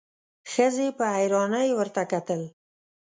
ښځې په حيرانۍ ورته کتل: